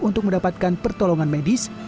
untuk mendapatkan pertolongan medis